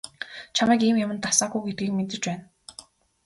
Чамайг ийм юманд дасаагүй гэдгийг мэдэж байна.